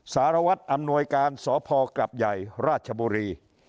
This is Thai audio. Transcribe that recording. สารวัตรอำนวยการสพกลับใหญ่ราชบุรี